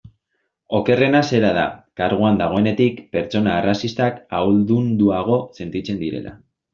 Okerrena zera da, karguan dagoenetik, pertsona arrazistak ahaldunduago sentitzen direla.